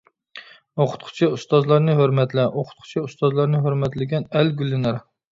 ئوقۇتقۇچى ئۇستازلارنى ھۆرمەتلە، ئوقۇتقۇچى ئۇستازلارنى ھۆرمەتلىگەن ئەل گۈللىنەر.